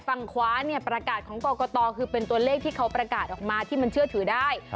ฝั่งขวาเนี่ยประกาศของกรกตคือเป็นตัวเลขที่เขาประกาศออกมาที่มันเชื่อถือได้